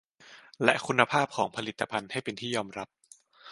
และคุณภาพของผลิตภัณฑ์ให้เป็นที่ยอมรับ